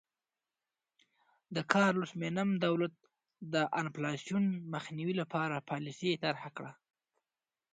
د کارلوس مینم دولت د انفلاسیون مخنیوي لپاره پالیسي طرحه کړه.